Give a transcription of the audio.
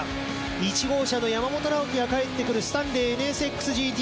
１号車の山本尚貴が帰ってくるスタンレーＮＳＸＧＴ。